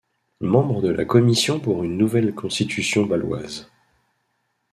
Membre de la commission pour une nouvelle Constitution bâloise.